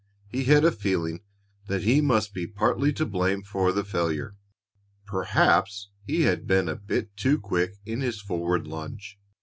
He had a feeling that he must be partly to blame for the failure. Perhaps he had been a bit too quick in his forward lunge.